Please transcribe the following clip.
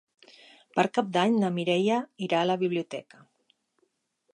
Per Cap d'Any na Mireia irà a la biblioteca.